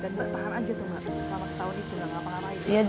dan berpahan aja tuh nggak selama setahun itu nggak marah lagi